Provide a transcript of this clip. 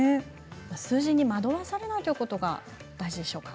数字に惑わされないということが大事でしょうか。